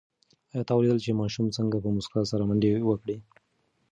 آیا تا ولیدل چې ماشوم څنګه په موسکا سره منډه کړه؟